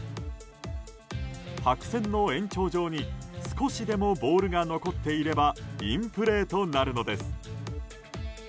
白線の延長上に、少しでもボールが残っていればインプレーとなるのです。